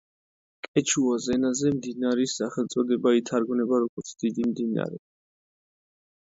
კეჩუას ენაზე მდინარის სახელწოდება ითარგმნება, როგორც „დიდი მდინარე“.